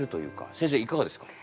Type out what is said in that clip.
先生いかがですか？